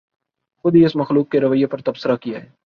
خود ہی اس مخلوق کے رویے پر تبصرہ کیاہے